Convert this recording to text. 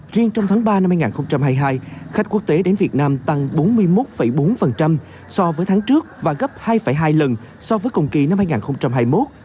riêng trong tháng ba năm hai nghìn hai mươi hai khách quốc tế đến việt nam tăng bốn mươi một bốn so với tháng trước và gấp hai hai lần so với cùng kỳ năm hai nghìn hai mươi một